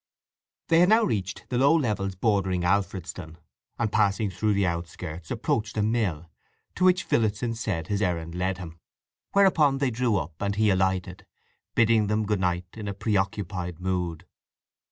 They had now reached the low levels bordering Alfredston, and passing through the outskirts approached a mill, to which Phillotson said his errand led him; whereupon they drew up, and he alighted, bidding them good night in a preoccupied mood.